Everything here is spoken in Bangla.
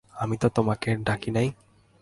আমি তোমাকে ডাকি নাই।